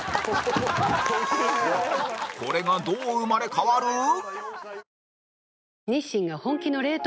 これがどう生まれ変わる？